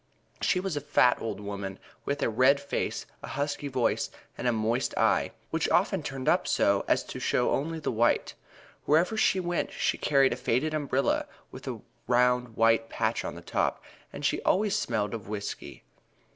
She was a fat old woman, with a red face, a husky voice and a moist eye, which often turned up so as to show only the white. Wherever she went she carried a faded umbrella with a round white patch on top, and she always smelled of whisky. Mrs.